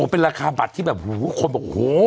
เป็นราคาบัตรที่แบบโห